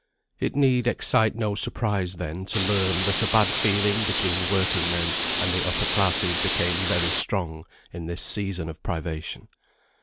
It need excite no surprise then to learn that a bad feeling between working men and the upper classes became very strong in this season of privation.